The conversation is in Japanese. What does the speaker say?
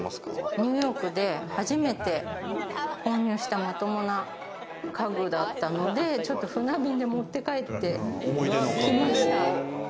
ニューヨークで初めて購入したまともな家具だったので、ちょっと船便で持って帰ってきました。